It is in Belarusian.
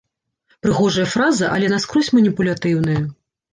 Прыгожая фраза, але наскрозь маніпулятыўная.